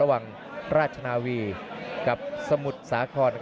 ระหว่างราชนาวีกับสมุทรสาขอน